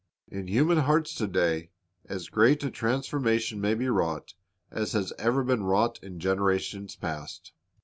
In human hearts to day as great a transformation may be wrought as has ever been wrought in generations past.